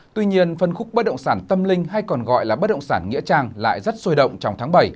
tuy nhiên phân khúc bất động sản tâm linh hay còn gọi là bất động sản nghĩa trang lại rất sôi động trong tháng bảy